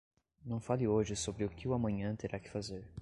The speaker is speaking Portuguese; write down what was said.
Não fale hoje sobre o que o amanhã terá que fazer.